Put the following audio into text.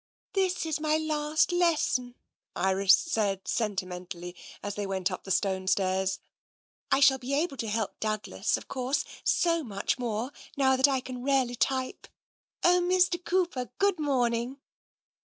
" This is my last lesson," Iris said sentimentally, as they went up the stone stairs. " I shall be able to help Douglas, of course, so much more, now that I can really type. Oh, Mr. Cooper, good morning